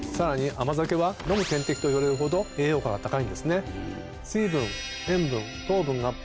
甘酒は飲む点滴といわれるほど栄養価が高いんですね。